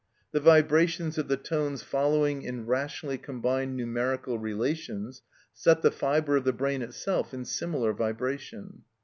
The vibrations of the tones following in rationally combined numerical relations set the fibre of the brain itself in similar vibration.